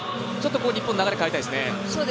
日本、流れ変えたいですね。